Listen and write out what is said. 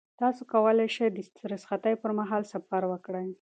تاسو کولای شئ چې د رخصتۍ پر مهال سفر وکړئ.